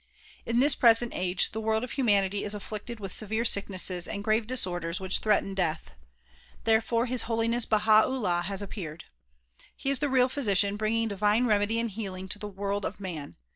In this present age the world of humanity is afflicted with severe sicknesses and grave disorders which threaten death. Tliere fore His Holiness Baha 'Ullaii has appeared. He is the real physician bringing divine remedy and healing to the world of man.